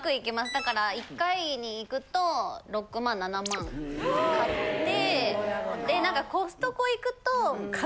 だから１回に行くと６万７万買って何か。